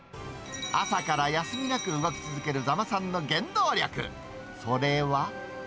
朝から休みなく動き続ける座間さんの原動力、それは。